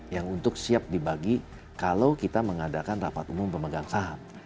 yang untuk siap dibagi kalau kita mengadakan rapat umum pemegang saham